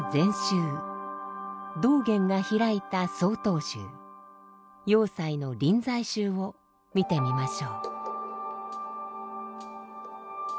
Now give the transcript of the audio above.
道元が開いた曹洞宗栄西の臨済宗を見てみましょう。